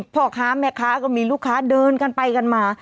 พ่อค้าแม่ค้าเดินกันไปกันมา